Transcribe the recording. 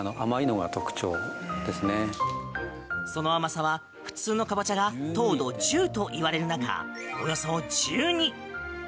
その甘さは、普通のカボチャが糖度１０といわれる中およそ１２。